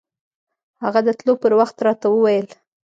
هغه د تلو پر وخت راته وويل.